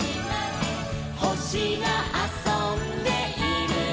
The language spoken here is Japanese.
「ほしがあそんでいるのかな」